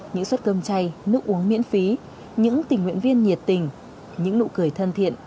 những suất cơm chay nước uống miễn phí những tình nguyện viên nhiệt tình những nụ cười thân thiện